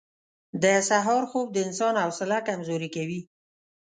• د سهار خوب د انسان حوصله کمزورې کوي.